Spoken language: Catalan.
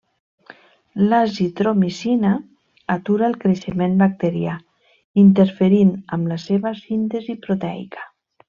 L'azitromicina atura el creixement bacterià interferint amb la seva síntesi proteica.